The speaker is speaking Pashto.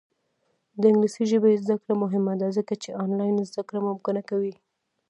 د انګلیسي ژبې زده کړه مهمه ده ځکه چې آنلاین زدکړه ممکنه کوي.